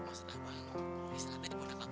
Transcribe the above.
maksud abang istirahatnya di pondok lapang